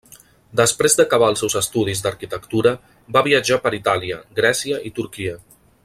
Després d'acabar els seus estudis d'arquitectura va viatjar per Itàlia, Grècia i Turquia.